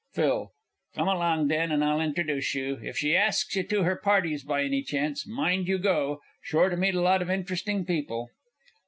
PHIL. Come along then, and I'll introduce you. If she asks you to her parties by any chance, mind you go sure to meet a lot of interesting people.